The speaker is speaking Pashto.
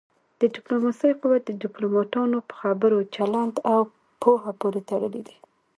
د ډيپلوماسی قوت د ډيپلوماټانو په خبرو، چلند او پوهه پورې تړلی دی.